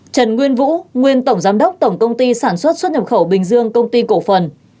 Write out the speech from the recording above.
trần nguyên vũ nguyên tổng giám đốc tổng công ty sản xuất xuất nhập khẩu bình dương công ty cổ phần